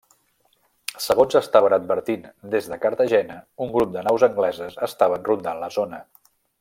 Segons estaven advertint des de Cartagena, un grup de naus angleses estaven rondant la zona.